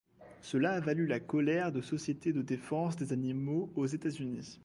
Cela a valu la colère de sociétés de défense des animaux aux États-Unis.